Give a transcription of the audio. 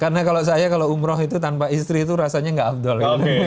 karena kalau saya kalau umroh itu tanpa istri itu rasanya nggak abdol